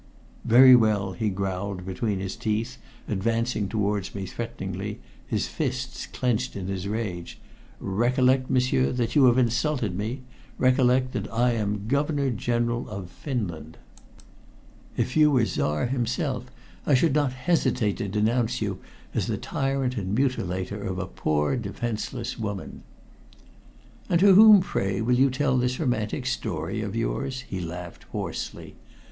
"Very well," he growled between his teeth, advancing towards me threateningly, his fists clenched in his rage. "Recollect, m'sieur, that you have insulted me. Recollect that I am Governor General of Finland." "If you were Czar himself, I should not hesitate to denounce you as the tyrant and mutilator of a poor defenseless woman." "And to whom, pray, will you tell this romantic story of yours?" he laughed hoarsely.